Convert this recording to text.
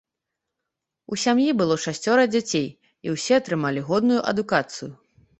У сям'і было шасцёра дзяцей, і ўсе атрымалі годную адукацыю.